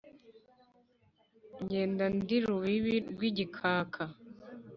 Ngenda ndi rubibi rw’igikaka